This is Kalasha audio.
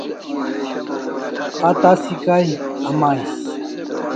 A tasi kay amais